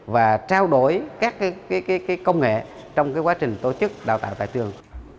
và trao đổi các công nghệ trong quá trình tổ chức đào tạo tại trường